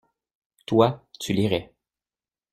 Toi, tu lirais.